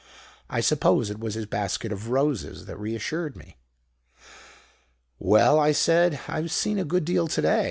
I suppose it was his basket of roses that reassured me. "'Well,' I said, 'I've seen a good deal already.